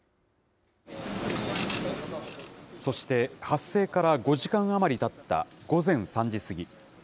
そして、発生から５時間余りたった午前３時過ぎ。